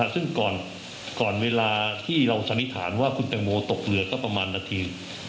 ซึ่งก่อนเวลาที่เราสันนิษฐานว่าคุณแตงโมตกเรือก็ประมาณนาที